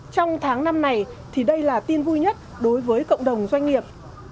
trong tháng năm này thì đây là tin vui nhất đối với cộng đồng doanh nghiệp